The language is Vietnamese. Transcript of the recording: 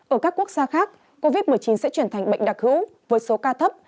ở các quốc gia khác covid một mươi chín sẽ chuyển thành bệnh đặc hữu với số ca thấp